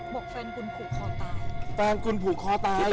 บอกแฟนคุณผูกคอตาย